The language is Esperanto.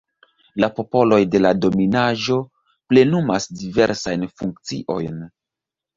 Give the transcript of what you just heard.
La popoloj de la dominaĵo plenumas diversajn funkciojn.